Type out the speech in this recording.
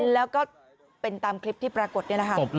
แล้วก็เป็นตามคลิปที่ปรากฏนี่แหละค่ะ